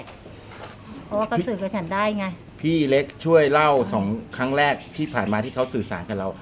เพราะว่าก็สื่อกับฉันได้ไงพี่เล็กช่วยเล่าสองครั้งแรกที่ผ่านมาที่เขาสื่อสารกับเรา